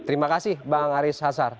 terima kasih bang haris hasar